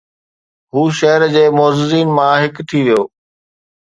هو شهر جي معززين مان هڪ ٿي ويو